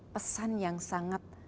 pesan yang sangat